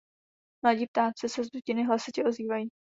Mladí ptáci se z dutiny hlasitě ozývají.